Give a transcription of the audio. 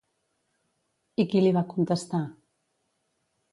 I qui li va contestar?